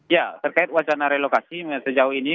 ya terkait wacana relokasi sejauh ini